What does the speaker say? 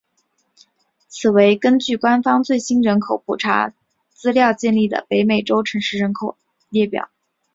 此为根据官方最新人口普查资料而建立的北美洲城市人口列表。